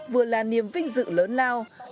vừa là niềm vinh dự lớn nào